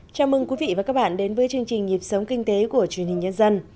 chào mừng quý vị và các bạn đến với chương trình nhịp sống kinh tế của truyền hình nhân dân